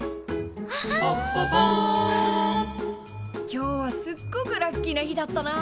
今日はすっごくラッキーな日だったな。